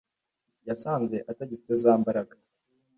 yasanze atagifite za mbaraga